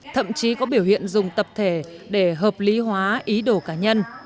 thậm chí có biểu hiện dùng tập thể để hợp lý hóa ý đồ cá nhân